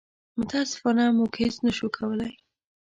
متاسفانه موږ هېڅ نه شو کولی.